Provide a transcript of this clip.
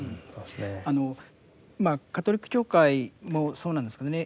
まあカトリック教会もそうなんですけどね